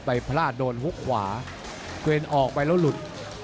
พลาดโดนฮุกขวาเกรนออกไปแล้วหลุด